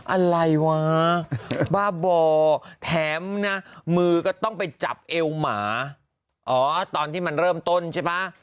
อะไรวะบ้าบ่อแถมนะมือก็ต้องไปจับเอวหมาอ๋อตอนที่มันเริ่มต้นใช่ไหม